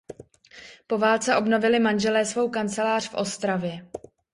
Po válce obnovili manželé svou kancelář v Ostravě.